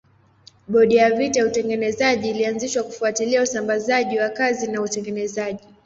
Bodi ya vita ya utengenezaji ilianzishwa kufuatilia usambazaji wa kazi na utengenezaji.